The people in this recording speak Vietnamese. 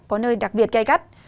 có nơi đặc biệt cay cắt